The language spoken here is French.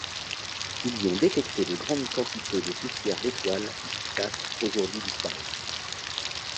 Ils y ont détecté de grandes quantités de poussières d'étoiles issues d'astres aujourd'hui disparus.